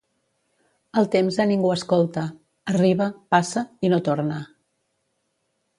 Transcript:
El temps a ningú escolta: arriba, passa i no torna.